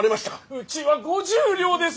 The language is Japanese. うちは五十両です！